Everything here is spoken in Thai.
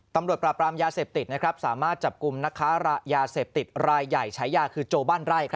ตำรวจปราบรามยาเสพติดสามารถจับกลุ่มนักค้ายาเสพติดรายใหญ่ฉายาคือโจบ้านไร่